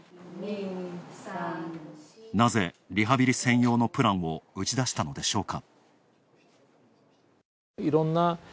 なぜ、リハビリ専用のプランを打ち出したのでしょうか。